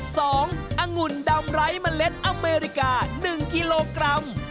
องุ่นดำไร้เมล็ดอเมริกา๑กิโลกรัม